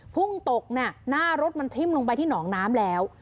พุ่งตกหน้ารถมันทิ้มลงไปที่หนองน้ำแล้ว